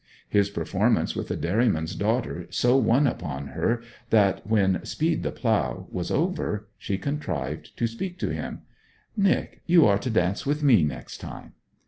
His performance with the dairyman's daughter so won upon her, that when 'Speed the Plough' was over she contrived to speak to him. 'Nic, you are to dance with me next time.'